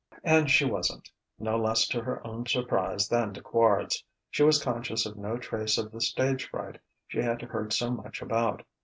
And she wasn't; no less to her own surprise than to Quard's, she was conscious of no trace of the stage fright she had heard so much about.